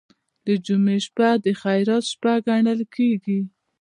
د جمعې شپه د خیرات شپه ګڼل کیږي.